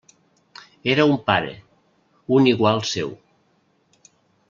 Era un pare, un igual seu.